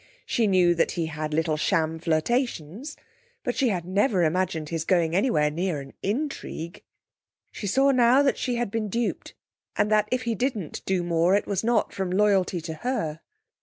She knew that he had little sham flirtations, but she had never imagined his going anywhere near an intrigue. She saw now that in that she had been duped, and that if he didn't do more it was not from loyalty to her.